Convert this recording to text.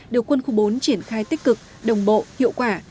được quân khu bốn triển khai tích cực đồng bộ hiệu quả